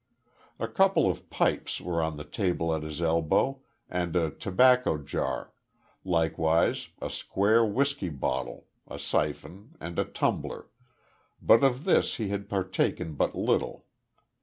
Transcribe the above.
A couple of pipes were on the table at his elbow, and a tobacco jar likewise a square whisky bottle, a syphon and a tumbler, but of this he had partaken but little.